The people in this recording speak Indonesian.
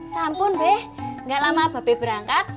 sampun beh gak lama babe berangkat